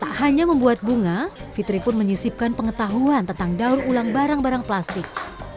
tak hanya membuat bunga fitri pun menyisipkan pengetahuan tentang daur ulang barang barang plastik